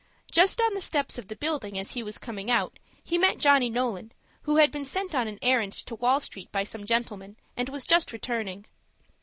Just on the steps of the building, as he was coming out, he met Johnny Nolan, who had been sent on an errand to Wall Street by some gentleman, and was just returning.